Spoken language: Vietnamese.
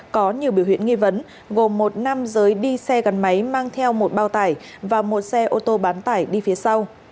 có nhiều biểu hiện nghi vấn gồm một nam giới đi xe gắn máy mang theo một bao tải và một xe ô tô bán tải đi phía sau